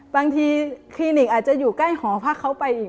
บางทีคลินิกอาจจะอยู่ใกล้หอพักเขาไปอีก